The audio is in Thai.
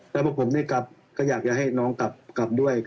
แล้วพอผมได้กลับก็อยากจะให้น้องกลับด้วย